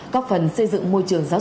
các phần xây dựng môi trường giáo dục